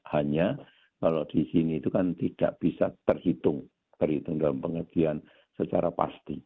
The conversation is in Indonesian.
hanya kalau di sini itu kan tidak bisa terhitung terhitung dalam pengertian secara pasti